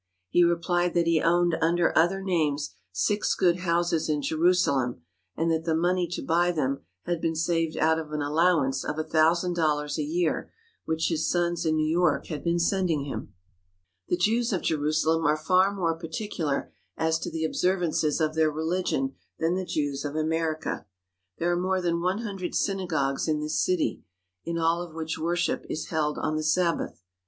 He replied that he owned under other names six good houses in Jerusalem and that the money to buy them had been saved out of an allowance of a thousand dollars a year which his sons in New York had been sending him. The Jews of Jerusalem are far more particular as to the observances of their religion than the Jews of America. There are more than one hundred synagogues in this city, in all of which worship is held on the Sabbath.